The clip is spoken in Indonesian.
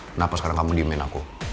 kenapa sekarang kamu di man aku